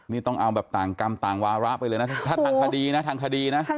นี่ต้องเอาแบบต่างกรรมต่างวาระไปเลยนะถ้าทางคดีนะทางคดีนะ